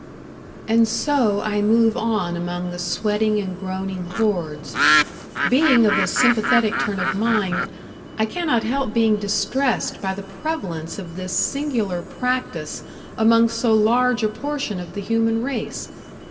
And so I move on among the sweating and groaning hordes. Being of a sympathetic turn of mind, I cannot help being distressed by the prevalence of this singular practice among so large a portion of the human race.